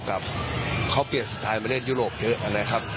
กับเขาเปลี่ยนสไตล์มาเล่นยุโรปเยอะนะครับ